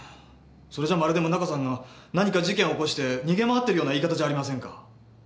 それじゃまるで宗形さんが何か事件を起こして逃げ回ってるような言い方じゃありませんか。